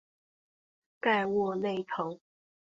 盖沃纳滕。